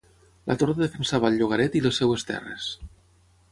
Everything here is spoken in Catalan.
La torre defensava el llogaret i les seves terres.